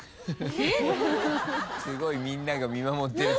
すごいみんなが見守ってる。